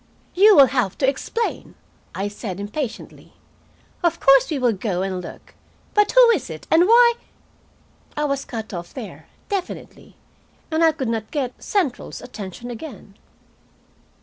"You will have to explain," I said impatiently. "Of course we will go and look, but who is it, and why " I was cut off there, definitely, and I could not get "central's" attention again.